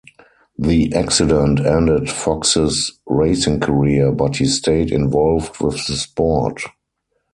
The accident ended Fox's racing career but he stayed involved with the sport.